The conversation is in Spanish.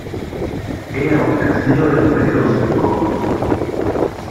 Era un castillo del Período Sengoku.